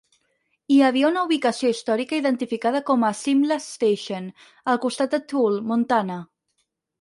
Hi havia una ubicació històrica identificada com a "Simla Station" al comtat de Toole, Montana.